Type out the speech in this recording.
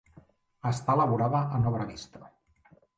Està elaborada en obra vista.